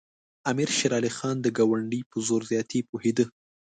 امیر شېر علي خان د ګاونډي په زور زیاتي پوهېده.